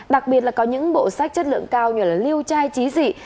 đặc biệt là có những bộ sách chất lượng cao như là lưu trai trí dị